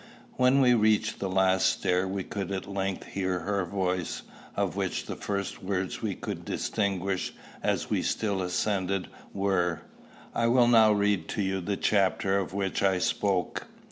When we reached the last stair we could at length hear her voice, of which the first words we could distinguish, as we still ascended, were, "I will now read to you the chapter of which I spoke."